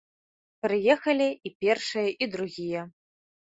Прыехалі і першыя, і другія.